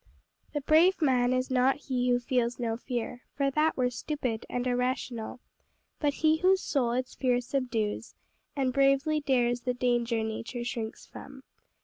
"The brave man is not he who feels no fear, For that were stupid and irrational; But he whose soul its fear subdues, And bravely dares the danger nature shrinks from."